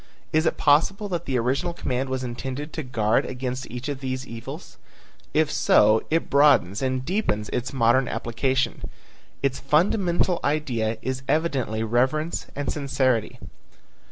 Is it possible that the original command was intended to guard against each of these evils? If so, it broadens and deepens its modern application. Its fundamental idea is evidently reverence and sincerity.